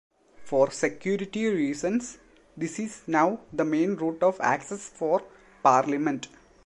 For security reasons this is now the main route of access for Parliament.